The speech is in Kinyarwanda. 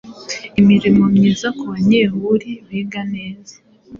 Imirimo myiza kubanyehuri biganeza